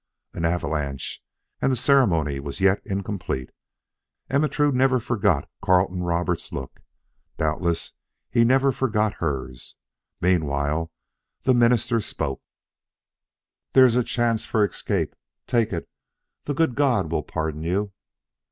An avalanche! and the ceremony was as yet incomplete! Ermentrude never forgot Carleton Roberts' look. Doubtless he never forgot hers. Meanwhile the minister spoke. "There is a chance for escape. Take it; the good God will pardon you."